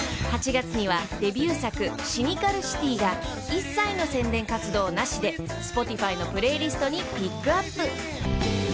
［８月にはデビュー作『ＣｙｎｉｃａｌＣｉｔｙ』が一切の宣伝活動なしでＳｐｏｔｉｆｙのプレイリストにピックアップ］